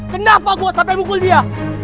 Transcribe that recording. kenapa gue sampai pukul dia